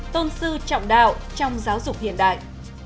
tôn sư trọng đạo trong giáo dục hiện đại